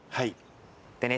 でね